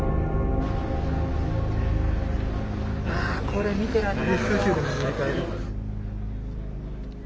あこれ見てられない。